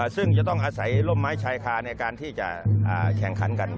ซึ่งจะต้องอาศัยร่มไม้ชายคาในการที่จะแข่งขันกัน